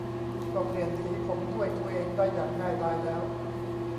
ก็เปลี่ยนสีผมด้วยตัวเองได้อย่างง่ายดายแล้ว